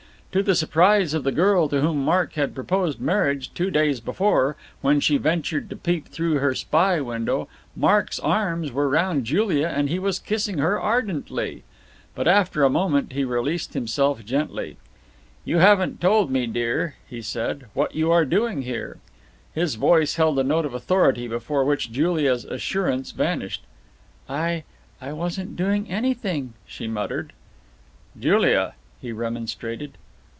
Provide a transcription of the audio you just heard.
To the surprise of the girl to whom Mark had proposed marriage two days before, when she ventured to peep through her spy window, Mark's arms were round Julia and he was kissing her ardently. But after a moment he released himself gently. "You haven't told me, dear," he said, "what you are doing here." His voice held a note of authority before which Julia's assurance vanished. "I I wasn't doing anything," she muttered. "Julia!" he remonstrated.